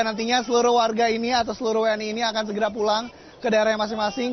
nantinya seluruh warga ini atau seluruh wni ini akan segera pulang ke daerah yang masing masing